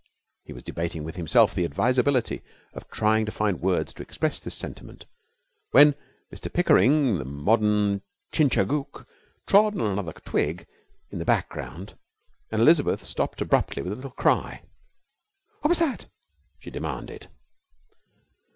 He was debating within himself the advisability of trying to find words to express this sentiment, when Mr Pickering, the modern Chingachgook, trod on another twig in the background and Elizabeth stopped abruptly with a little cry. 'What was that?' she demanded.